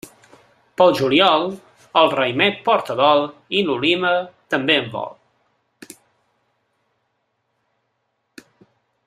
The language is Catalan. Pel juliol, el raïmet porta dol i l'oliva també en vol.